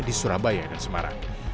di surabaya dan semarang